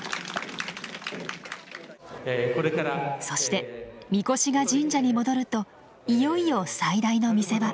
そして神輿が神社に戻るといよいよ最大の見せ場。